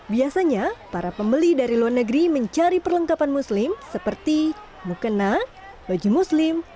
biasanya para pembeli dari luar negeri mencari perlengkapan muslim seperti mukena baju muslim